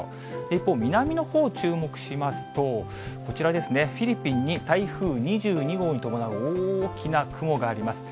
一方、南のほう注目しますと、こちらですね、フィリピンに台風２２号に伴う大きな雲があります。